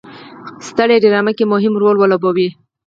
سترې ډرامه کې مهم رول ولوبوي.